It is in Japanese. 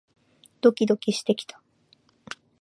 ドキドキしてきた